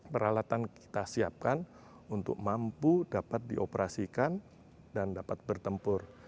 peralatan kita siapkan untuk mampu dapat dioperasikan dan dapat bertempur